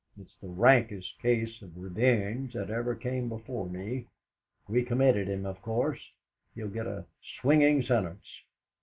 It's the rankest case of revenge that ever came before me. We committed him, of course. He'll get a swinging sentence.